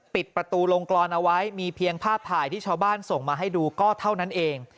ปิดประตูลงกรอนเอาไว้มีเพียงภาพถ่ายที่ชาวบ้านส่งมาให้ดูก็เท่านั้นเอง